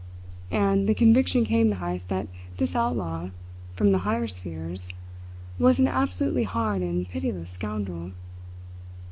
And, the conviction came to Heyst that this outlaw from the higher spheres was an absolutely hard and pitiless scoundrel.